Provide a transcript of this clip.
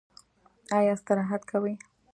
ایا استراحت کوئ؟